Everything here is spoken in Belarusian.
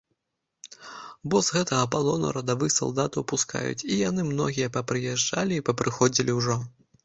Бо з гэтага палону радавых салдатаў пускаюць, і яны многія папрыязджалі і папрыходзілі ўжо.